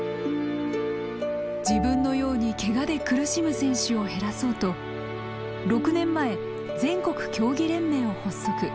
自分のようにケガで苦しむ選手を減らそうと６年前全国競技連盟を発足。